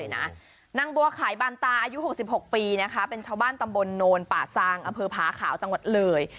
นางบัวขายบานตาอายุ๖๖ปีนะคะเป็นชาวบ้านตำบลโนนป่าซางอำเภอผาขาวจังหวัดเลย